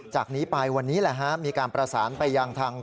จากนี้ไปวันนี้แหละฮะมีการประสานไปยังทาง